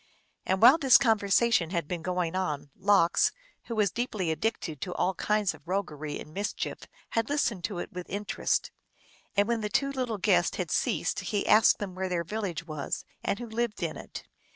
Now while this conversation had been going on, Lox, who was deeply addicted to all kinds of roguery and mischief, had listened to it with interest. And when THE MERRY TALES OF LOX. 189 the two little guests had ceased he asked them where their village was, and who lived in it.